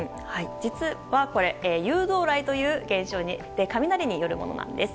実はこれ誘導雷といわれる現象によるものなんです。